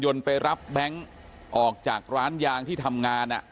ไปรับแบงค์ออกจากร้านยางที่ทำงาน